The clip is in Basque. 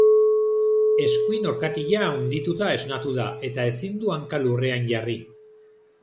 Eskuin orkatila handituta esnatu da, eta ezin du hanka lurrean jarri.